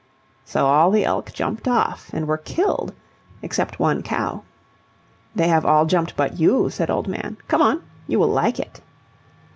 So all the elk jumped off and were killed, except one cow. "They have all jumped but you," said Old Man. "Come on, you will like it."